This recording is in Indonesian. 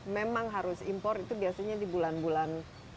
memang harus impor itu biasanya di bulan bulan